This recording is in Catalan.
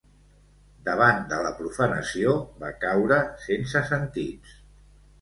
Davant de la profanació va caure sense sentits